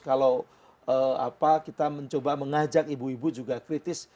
kalau kita mencoba mengajak ibu ibu juga kritis